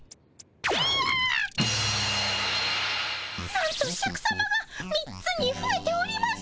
なんとシャクさまが３つにふえております。